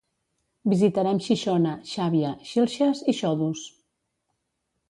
Visitarem Xixona, Xàbia, Xilxes i Xodos.